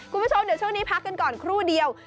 คุณผู้ชมเดี๋ยวช่วงนี้พักกันก่อนครู่เดียว